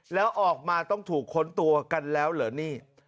แล้วออกมาต้องถูกค้นตัวกันแล้วเหรอนี่